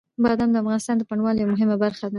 بادام د افغانستان د بڼوالۍ یوه مهمه برخه ده.